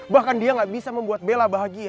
bahkan dia gak bisa membuat bella bahagia